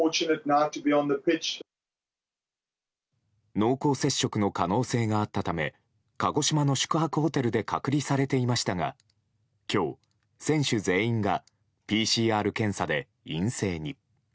濃厚接触の可能性があったため鹿児島の宿泊ホテルで隔離されていましたが今日、選手全員がＰＣＲ検査で陰性に。